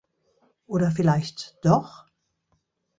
Oder vielleicht doch?